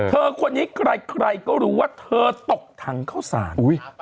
คนนี้ใครก็รู้ว่าเธอตกถังเข้าสาร